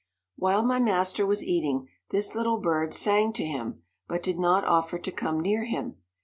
While my master was eating, this little bird sang to him, but did not offer to come near him.